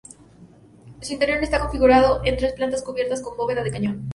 Su interior está configurado en tres plantas cubiertas con bóveda de cañón.